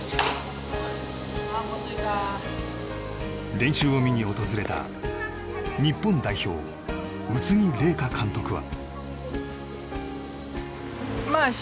練習を見に訪れた日本代表、宇津木麗華監督は。